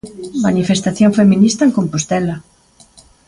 Manifestación feminista en Compostela.